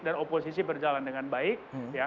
dan oposisi berjalan dengan baik